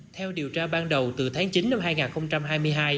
theo điều tra ban đầu từ tháng chín năm hai nghìn hai mươi hai